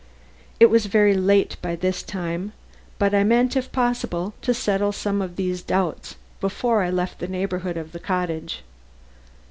It was very late by this time, but I meant, if possible, to settle some of these doubts before I left the neighborhood of the cottage.